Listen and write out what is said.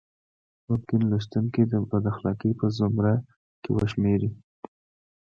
ممکن لوستونکي د بد اخلاقۍ په زمره کې وشمېري.